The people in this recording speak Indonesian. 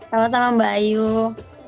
selamat salam mbak ayu